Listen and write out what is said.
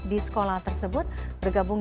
di sekolah tersebut bergabung